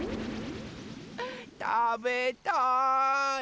たべたい！